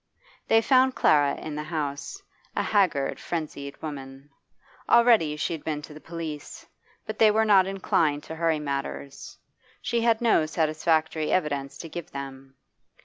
They found Clara in the house, a haggard, frenzied woman. Already she had been to the police, but they were not inclined to hurry matters; she had no satisfactory evidence to give them.